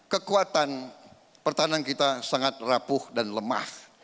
kekuatan pertahanan kita sangat rapuh dan lemah